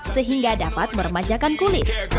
sehingga dapat meremajakan kulit